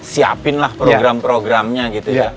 siapin lah program programnya gitu ya